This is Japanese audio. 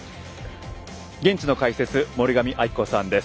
現地の解説、森上亜希子さんです。